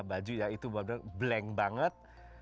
baju itu blank banget